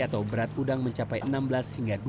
atau berat udang mencapai enam belas hingga dua puluh